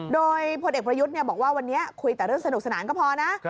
โดยพลเอกประยุทธ์บอกว่าวันนี้คุยแต่เรื่องสนุกสนานก็พอนะ